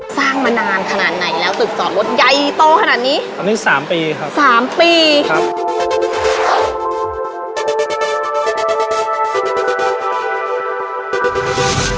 สร้างมานานขนาดไหนแล้วตึกจอดรถใหญ่โตขนาดนี้อันนี้สามปีครับสามปีครับ